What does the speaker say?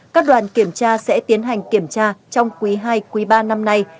các đoàn kiểm tra sẽ tiến hành kiểm tra trong quý ii quý ba năm nay